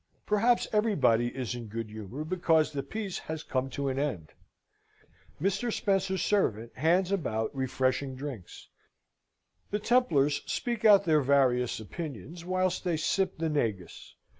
Perhaps everybody is in good humour because the piece has come to an end. Mr. Spencer's servant hands about refreshing drinks. The Templars speak out their various opinions whilst they sip the negus.